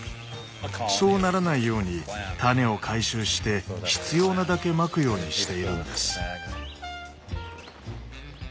そうならないように種を回収して必要なだけまくようにしているんです。